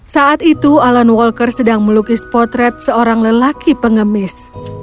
saat itu alan walker sedang melukis potret seorang lelaki pengemis